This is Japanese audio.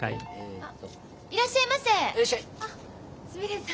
あっすみれさん